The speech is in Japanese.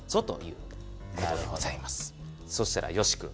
そうしたらよし君。